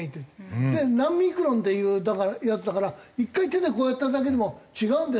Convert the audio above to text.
それ何ミクロンっていうやつだから「１回手でこうやっただけでも違うんだよ